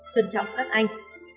trân trọng các anh